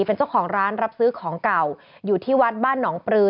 เป็นเจ้าของร้านรับซื้อของเก่าอยู่ที่วัดบ้านหนองปลือ